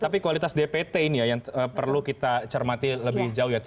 tapi kualitas dpt ini ya yang perlu kita cermati lebih jauh ya